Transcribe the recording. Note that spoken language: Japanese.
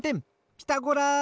ピタゴラ！